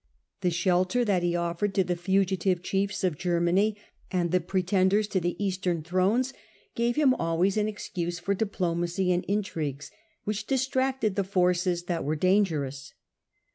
The shelter they Tay that he offered to the fugitive chiefs of Ger many and the pretenders to the Eastern while the , 11 c Empire was thrones gave him ^.Iways an excuse for well go diplomacy and intrigues, which distracted the forces that were dangerous.